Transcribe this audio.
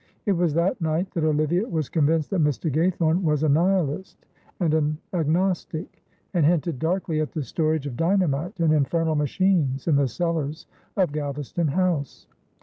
It was that night that Olivia was convinced that Mr. Gaythorne was a Nihilist and an Agnostic, and hinted darkly at the storage of dynamite and infernal machines in the cellars of Galvaston House.